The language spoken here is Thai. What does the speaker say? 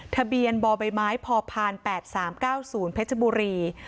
ทะเบียนบ่อใบไม้พอผ่าน๘๓๙๐เผชบุรี